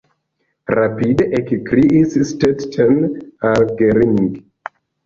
rapide ekkriis Stetten al Gering.